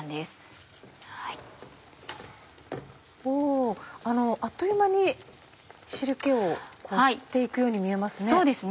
おぉあっという間に汁気を吸って行くように見えますね。